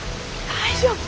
大丈夫？